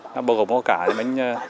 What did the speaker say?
nó bao gồm có cả